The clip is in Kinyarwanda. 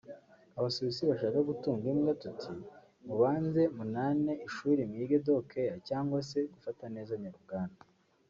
Abasuwisi bashaka gutunga imbwa tuti " mubanze munane ishuri mwige Dog Care cyangwa se gufata neza nyarubwana